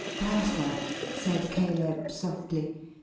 "Bertha!" said Caleb, softly.